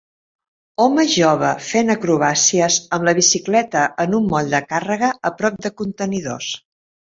Home jove fent acrobàcies amb la bicicleta en un moll de càrrega a prop de contenidors.